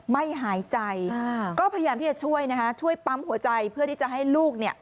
ไม่หายใจก็พยายามที่จะช่วยนะคะช่วยปั๊มหัวใจเพื่อที่จะให้ลูกเนี่ย